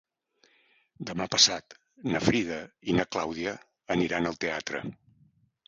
Demà passat na Frida i na Clàudia aniran al teatre.